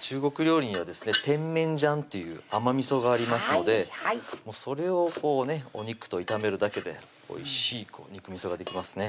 中国料理には甜麺醤っていう甘味がありますのでそれをこうねお肉と炒めるだけでおいしい肉味ができますね